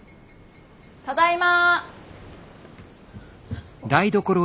ただいま。